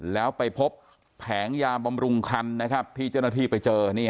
แล้วไปพบแผงยาบำรุงคันนะครับที่เจ้าหน้าที่ไปเจอ